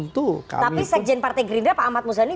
tapi sekjen partai gerindra pak ahmad muzani